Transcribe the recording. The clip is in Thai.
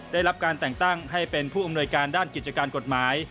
ได้รับการแต่งตั้งให้เป็นผู้อำนวยการด้านกิจการกฎหมาย